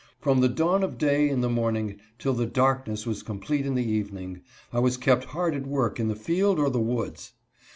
From the dawn of day in the morning till the darkness was complete in the evening, I was kept hard at work in the field or the woods.